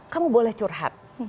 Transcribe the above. kamu boleh curhat